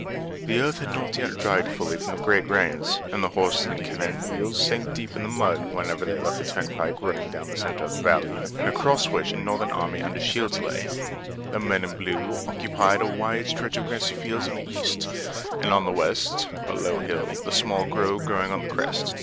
The earth had not yet dried fully from the great rains, and horses and cannon wheels sank deep in the mud, whenever they left the turnpike running down the center of the valley and across which a Northern army under Shields lay. The men in blue occupied a wide stretch of grassy fields on the east, and on the west a low hill, with a small grove growing on the crest.